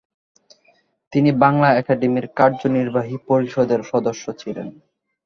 তিনি বাংলা একাডেমীর কার্যনির্বাহী পরিষদের সদস্য ছিলেন।